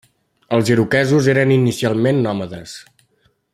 Els iroquesos eren inicialment nòmades.